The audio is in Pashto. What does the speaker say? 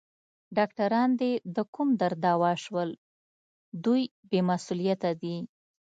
ډاکټران دي د کوم درد دوا شول؟ دوی بې مسؤلیته دي.